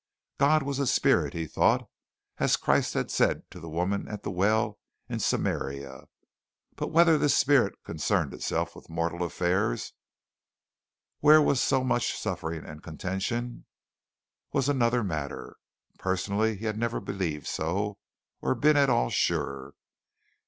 God was a spirit, he thought, as Christ had said to the woman at the well in Samaria, but whether this spirit concerned itself with mortal affairs, where was so much suffering and contention, was another matter. Personally he had never believed so or been at all sure.